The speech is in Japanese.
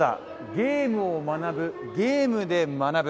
「ゲームを学ぶ、ゲームで学ぶ」